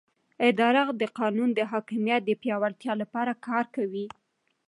اداره د قانون د حاکمیت د پیاوړتیا لپاره کار کوي.